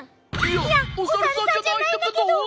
いやおさるさんじゃないんだけど！